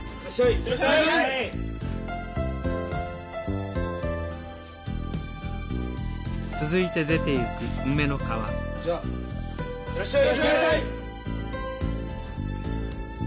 行ってらっしゃい！